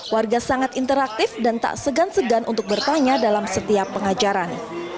warga sangat interaktif dan tak segan segan untuk bertanya dalam setiap pengajaran